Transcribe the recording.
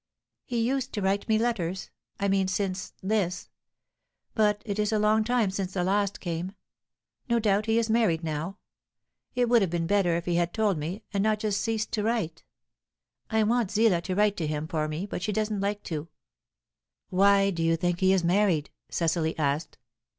"He used to write me letters; I mean, since this. But it is a long time since the last came. No doubt he is married now. It would have been better if he had told me, and not just ceased to write. I want Zillah to write to him for me; but she doesn't like to." "Why do you think he is married?" Cecily asked.